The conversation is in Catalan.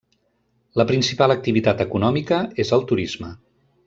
La principal activitat econòmica és el turisme.